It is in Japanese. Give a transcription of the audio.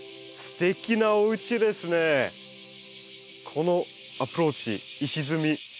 このアプローチ石積み